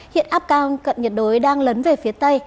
hiện áp cao cận nhiệt đới đang lấn về phía tây